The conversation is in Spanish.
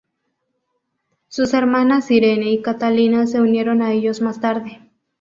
Sus hermanas Irene y Catalina se unieron a ellos más tarde.